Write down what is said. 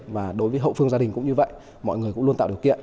và đối với hậu phương gia đình cũng như vậy mọi người cũng luôn tạo điều kiện